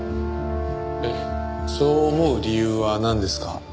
そう思う理由はなんですか？